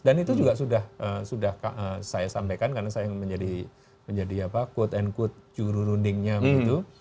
dan itu juga sudah saya sampaikan karena saya yang menjadi quote and quote curu rundingnya begitu